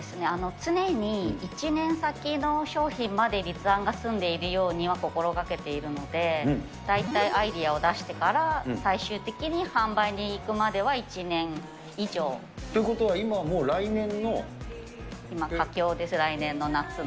常に１年先の商品まで立案が済んでいるようには心がけているので、大体アイデアを出してから、最終的に販売にいくまでは１年以上。ということは、今、佳境です、来年の夏の。